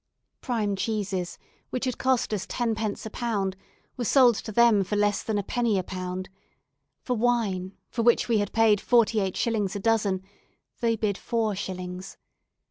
Prime cheeses, which had cost us tenpence a pound, were sold to them for less than a penny a pound; for wine, for which we had paid forty eight shillings a dozen, they bid four shillings.